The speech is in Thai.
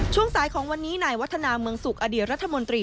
ช่วงสายของวันนี้นายวัฒนาเมืองสุขอดีตรัฐมนตรี